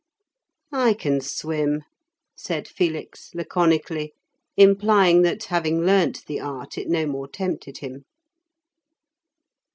"I can swim," said Felix laconically, implying that, having learnt the art, it no more tempted him.